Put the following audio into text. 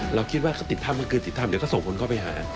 เราคิดว่าเขาติดถ้ำก็คือติดถ้ำเดี๋ยวก็ส่งคนเข้าไปหา